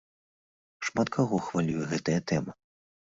Шмат каго хвалюе гэтая тэма.